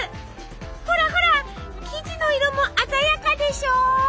ほらほら生地の色も鮮やかでしょ。